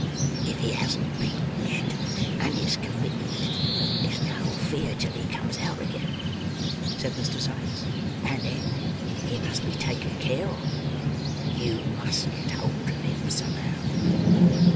"If he hasn't peached, and is committed, there's no fear till he comes out again," said Mr. Sikes, "and then he must be taken care on. You must get hold of him somehow."